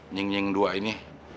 nying nying dua ini